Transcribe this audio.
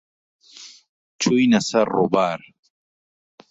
چووینە سەر ڕووبار.